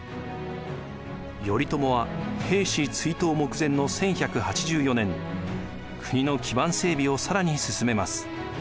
頼朝は平氏追討目前の１１８４年国の基盤整備を更に進めます。